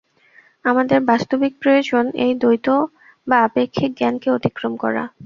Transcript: আমাদের বাস্তবিক প্রয়োজন এই দ্বৈত বা আপেক্ষিক জ্ঞানকে অতিক্রম করা।